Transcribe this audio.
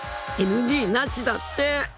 ［ＮＧなしだって！］